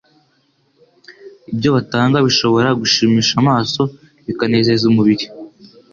Ibyo batanga bishobora gushimisha amaso, bikanezeza umubiri,